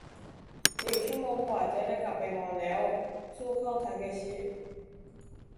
อีกชั่วโมงกว่าก็จะได้กลับไปนอนแล้ว สู้เค้าทาเคชิ